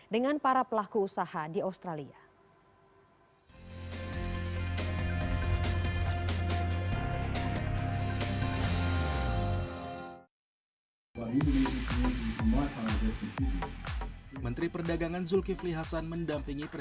dengan para pelaku usaha di australia